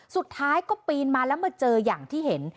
สุดท้ายก็ปีนมาแล้วมาเจออย่างที่เห็น